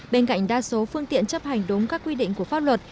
bên cạnh đa số phương tiện chấp hành đúng các quy định của pháp luật